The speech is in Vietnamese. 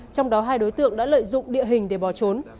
trong đó hai đối tượng đã lợi dụng địa hình để bỏ trốn